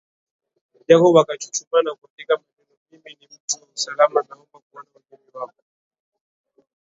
Jacob akachuchumaa na kuandika manenomimi ni mtu wa usalama naomba kuona ulimi wako